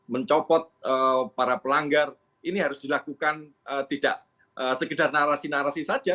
mencopot para pelanggar ini harus dilakukan tidak sekedar narasi narasi saja